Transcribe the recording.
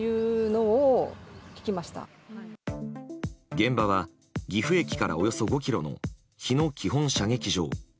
現場は岐阜駅からおよそ５ｋｍの日野基本射撃場。